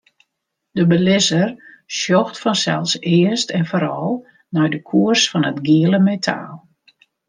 De belizzer sjocht fansels earst en foaral nei de koers fan it giele metaal.